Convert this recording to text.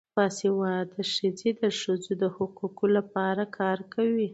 باسواده ښځې د ښځو د حقونو لپاره کار کوي.